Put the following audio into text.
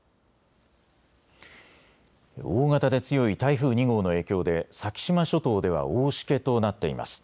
大型で強い台風２号の影響で先島諸島では大しけとなっています。